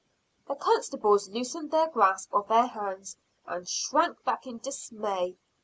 The constables loosened their grasp of her hands and shrank back in dismay.